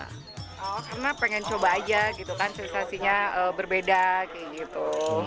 karena pengen coba aja gitu kan sensasinya berbeda kayak gitu